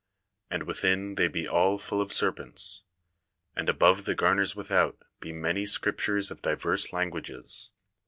And within they be all full of serpents. And above the garners without be many scriptures of diverse languages.